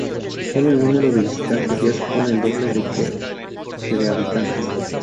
Sólo el número de visitantes ya supone el doble que de habitantes.